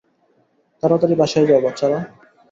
তাড়াতাড়ি বাসায় যাও, বাচ্চারা।